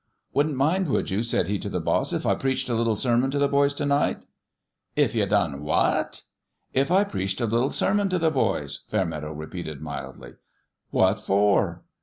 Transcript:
" Wouldn't mind, would you," said he, to the boss, " if I preached a little sermon to the boys to night ?" "If ye done what? 1 '" If I preached a little sermon to the boys," Fairmeadow repeated, mildly. "What for?"